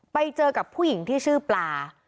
ไปเจอกับผู้หญิงที่ชื่อปลา